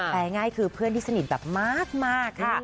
ง่ายคือเพื่อนที่สนิทแบบมากค่ะ